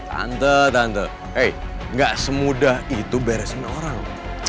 tante tante gak semudah itu beresin orang